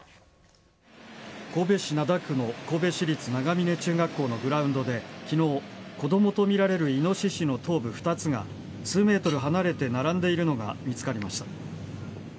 神戸市灘区の神戸市立長峰中学校のグラウンドで昨日、子供とみられるイノシシの頭部２つが数ｍ離れて並んでいるのが見つかりました。